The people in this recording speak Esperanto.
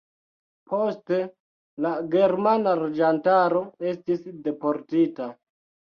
Poste la germana loĝantaro estis deportita.